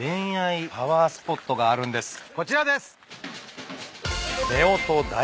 こちらです。